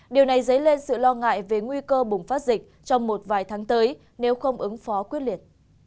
điều này dấy lên sự lo ngại về nguy cơ bùng phát dịch trong một vài tháng tới nếu không ứng phó quyết liệt